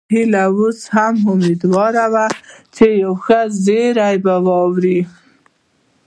هيله اوس هم اميدواره وه چې یو ښه زیری به واوري